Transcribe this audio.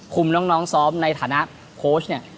น้องซ้อมในฐานะโค้ชเนี่ย